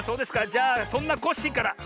じゃあそんなコッシーから。